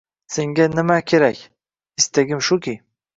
“Senga nima kerak?” – “Istagim shuki